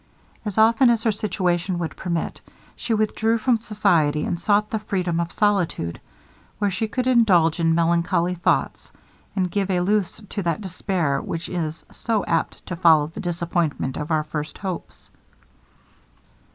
As often as her situation would permit, she withdrew from society, and sought the freedom of solitude, where she could indulge in melancholy thoughts, and give a loose to that despair which is so apt to follow the disappointment of our first hopes.